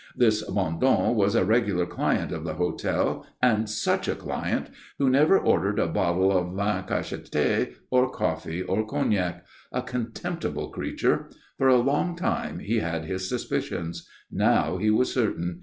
This Bondon was a regular client of the hotel, and such a client! who never ordered a bottle of vin cacheté or coffee or cognac. A contemptible creature. For a long time he had his suspicions. Now he was certain.